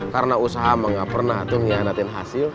karena usaha mah gak pernah tuh nganatin hasil